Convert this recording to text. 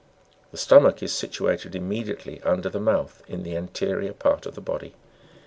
The stomach is situated immediately under the mouth in the .interior part of the body (Jig.